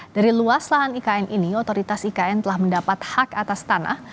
dari luas lahan ikn ini otoritas ikn telah mendapat hak atas tanah